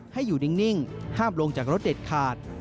ให้อยู่นิ่งห้ามลงจากรถเด็ดขาด